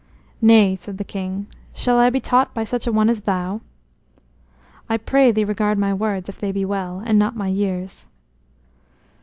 "Nay," said the king; "shall I be taught by such an one as thou?" "I pray thee regard my words, if they be well, and not my years."